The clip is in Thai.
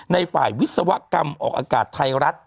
ในฝ่ายวิศวกรรมออกอากาศไทยรัฐ